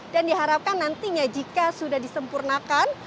dan diharapkan nantinya jika sudah disempurnakan